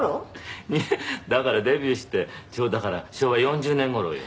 「だからデビューしてだから昭和４０年頃よ」